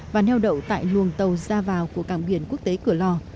và neo đậu tại luồng tàu ra vào của cảng biển quốc tế cửa lò